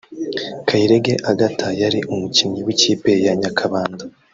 Kayirege Agatha (yari umukinnyi w’ikipe ya Nyakabanda)